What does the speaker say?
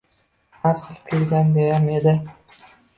Arz qilib kelganidayam edi.